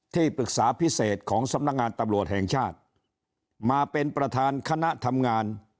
ที่ปรึกษาพิเศษของสำนักงานตำรวจแห่งชาติมาเป็นประธานคณะทำงาน